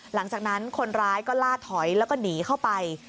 หลังจากนั้นคนร้ายก็ล่าถอยแล้วก็หนีเข้าไป